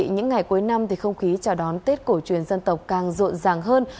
những ngày cuối năm thì không khí chào đón tết cổ truyền dân tộc càng rộn ràng hơn